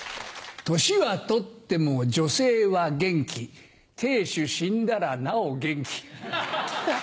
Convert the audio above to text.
年はとっても女性は元気亭主死んだらなお元気。